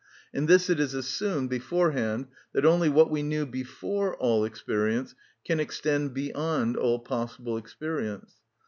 In this it is assumed beforehand that only what we knew before all experience can extend beyond all possible experience.